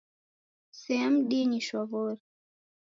Sea mdinyi shwaw'ori!